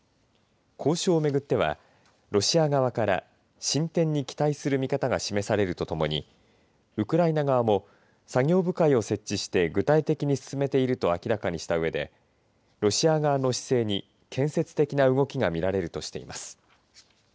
交渉を巡ってはロシア側から進展に期待する見方が示されるとともにウクライナ側も作業部会を設置して具体的に進めていると明らかにしたうえでロシア側の姿勢に建設的な動きが見られるとしています。